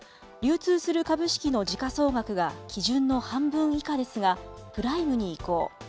流通する株式の時価総額が基準の半分以下ですが、プライムに移行。